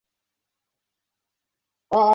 白俄是一种白色的甜鸡尾酒。